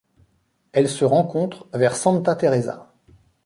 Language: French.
Elle se rencontre vers Santa Teresa.